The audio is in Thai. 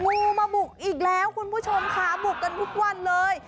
งูมาบุกอีกแล้วคุณผู้ชมค่ะบุกกันทุกวันเลย